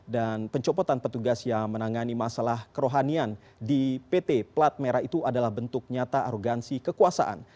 pencopotan petugas yang menangani masalah kerohanian di pt plat merah itu adalah bentuk nyata arogansi kekuasaan